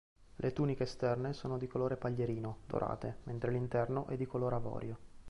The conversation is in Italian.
Le tuniche esterne sono di colore paglierino dorate mentre l'interno è di color avorio.